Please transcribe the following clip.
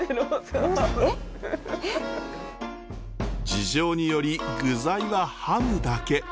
事情により具材はハムだけ。